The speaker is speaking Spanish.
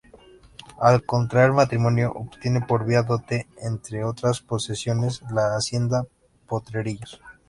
Al contraer matrimonio obtiene por vía dote, entre otras posesiones, la Hacienda Potrerillos.